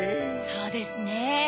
そうですね。